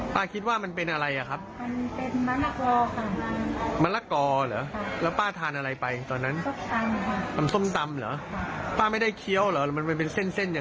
แล้วตอนนั้นป้าหมอเขาผ่าตัดออกมาแล้วเนอะ